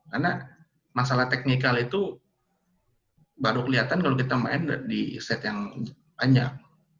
karena masalah teknikal itu baru kelihatan kalau kita main di set yang banyak